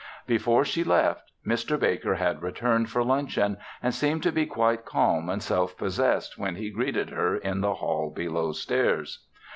Before she left, Mr. Baker had returned for luncheon and seemed to be quite calm and self possessed when he greeted her in the hall below stairs.